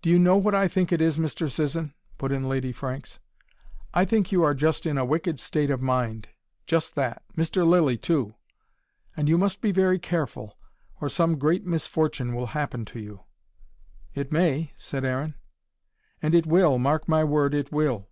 "Do you know what I think it is, Mr. Sisson?" put in Lady Franks. "I think you are just in a wicked state of mind: just that. Mr. Lilly, too. And you must be very careful, or some great misfortune will happen to you." "It may," said Aaron. "And it will, mark my word, it will."